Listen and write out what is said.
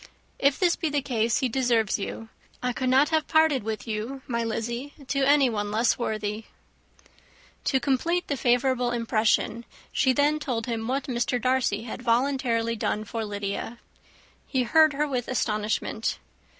If this be the case, he deserves you. I could not have parted with you, my Lizzy, to anyone less worthy." To complete the favourable impression, she then told him what Mr. Darcy had voluntarily done for Lydia. He heard her with astonishment.